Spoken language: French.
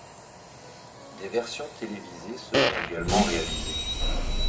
Des versions télévisées seront également réalisées.